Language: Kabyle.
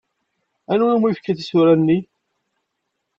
Anwa umi yefka tisura-nni?